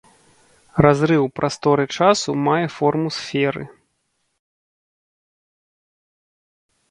Разрыў прасторы-часу мае форму сферы.